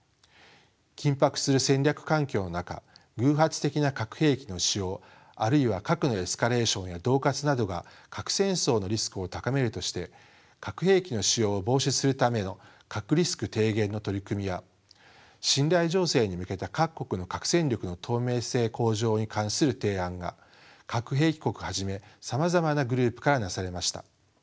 緊迫する戦略環境の中偶発的な核兵器の使用あるいは核のエスカレーションや恫喝などが核戦争のリスクを高めるとして核兵器の使用を防止するための核リスク低減の取り組みや信頼醸成に向けた各国の核戦力の透明性向上に関する提案が核兵器国はじめさまざまなグループからなされました。